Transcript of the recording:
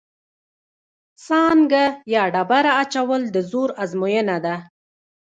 سانګه یا ډبره اچول د زور ازموینه ده.